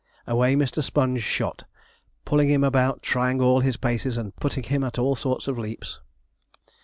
Away Mr. Sponge shot, pulling him about, trying all his paces, and putting him at all sorts of leaps.